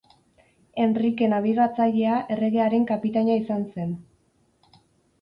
Henrike Nabigatzailea erregearen kapitaina izan zen.